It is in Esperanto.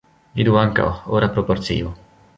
Vidu ankaŭ: Ora proporcio.